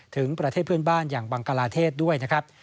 ถึงประเทศเพื่อนบ้านอย่างบังกลาเทศด้วยนะครับ